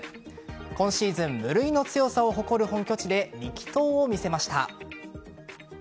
今シーズン無類の強さを誇る本拠地で力投を見せました。